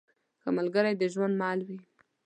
ښه ملګری د ژوند مل وي.